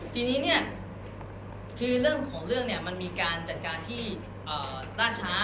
ทีนี้เนี่ยคือเรื่องของเรื่องเนี่ยมันมีการจัดการที่ล่าช้า